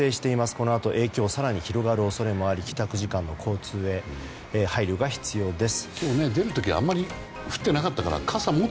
このあと影響更に広がる恐れもあり帰宅時間の交通へ配慮が必要です。